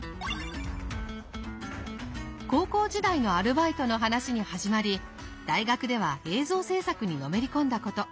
高校時代のアルバイトの話に始まり大学では映像制作にのめり込んだこと。